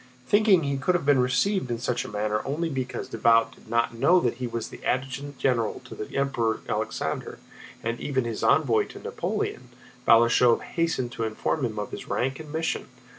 Thinking he could have been received in such a manner only because Davout did not know that he was adjutant general to the Emperor Alexander and even his envoy to Napoleon, Balashëv hastened to inform him of his rank and mission.